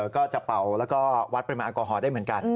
ก็จะเป่าแล้วก็วัดปริมาณแอลกอฮอลได้เหมือนกัน